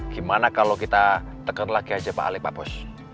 gimana kalau kita tekan lagi aja pak ali pak bos